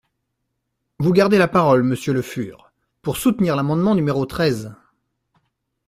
Vous gardez la parole, monsieur Le Fur, pour soutenir l’amendement numéro treize.